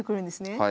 はい。